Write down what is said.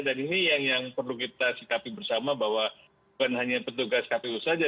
dan ini yang perlu kita sikapi bersama bahwa bukan hanya petugas kpu saja